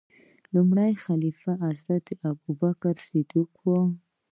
لومړنی خلیفه حضرت ابوبکر صدیق رض و.